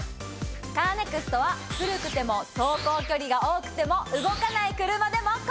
カーネクストは古くても走行距離が多くても動かない車でも。